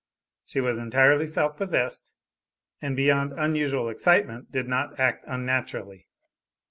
She was entirely self possessed, and beyond unusual excitement did not act unnaturally.